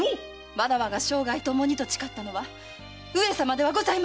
わらわが生涯ともにと誓ったのは上様ではございません！